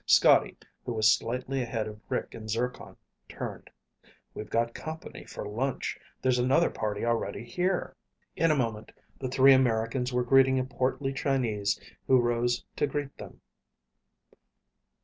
Scotty, who was slightly ahead of Rick and Zircon, turned. "We've got company for lunch. There's another party already here." In a moment the three Americans were greeting a portly Chinese who rose to greet them.